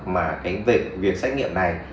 mà việc xét nghiệm này